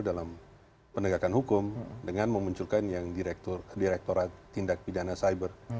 dalam penegakan hukum dengan memunculkan yang direkturat tindak pidana cyber